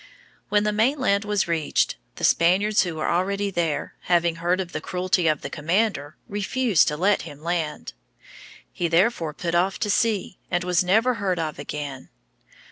When the mainland was reached, the Spaniards who were already there, having heard of the cruelty of the commander, refused to let him land. He therefore put off to sea, and was never heard of again.